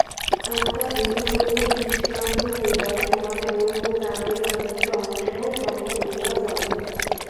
আত্মা দেহ হইতে নিষ্ক্রান্ত হইবার সময় মন ও প্রাণের খানিকটা অংশ সঙ্গে লইয়া যান।